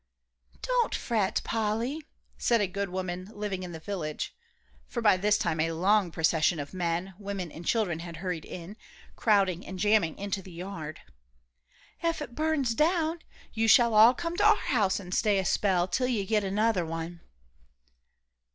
"Don't fret, Polly," said a good woman living in the village, for by this time a long procession of men, women, and children had hurried in, crowding and jamming into the yard, "ef it burns down, you shall all come to our house an' stay a spell, till you get another one."